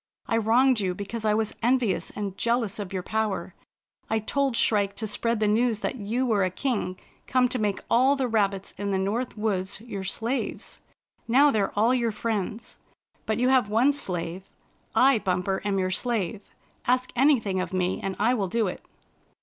I wronged you because I was envious and jealous of your power. I told Shrike to spread the news that you were a king come to make all the rabbits in the North Woods your slaves. Now they're all your friends. But you have one slave. I, Bumper, am your slave. Ask anything of me, and I will do it."